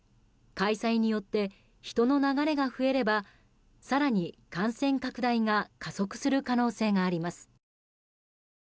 開催によって人の流れが増えれば更に感染拡大が加速する可能性があります。